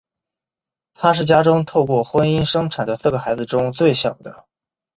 他是家中透过婚姻生产的四个孩子中最小的。